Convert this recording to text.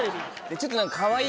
ちょっと何か。